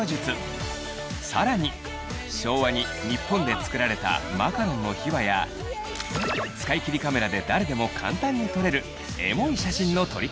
更に昭和に日本で作られたマカロンの秘話や使い切りカメラで誰でも簡単に撮れるエモい写真の撮り方も！